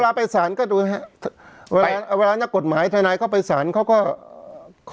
ไปสารก็ดูนะครับเวลาเวลานักกฎหมายทนายเข้าไปสารเขาก็ขอ